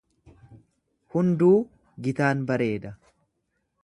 Hunduu gitaan bareeda.